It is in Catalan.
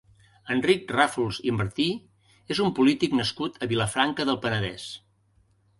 Enric Ràfols i Martí és un polític nascut a Vilafranca del Penedès.